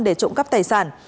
để trộm cắp tài sản